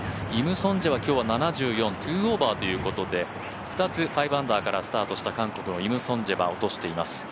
イム・ソンジェは７４、今日は２オーバーということで２つ、５アンダーからスタートした韓国のイム・ソンジェは落としています。